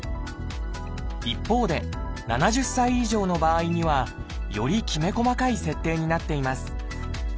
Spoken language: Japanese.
一方で７０歳以上の場合にはよりきめ細かい設定になっています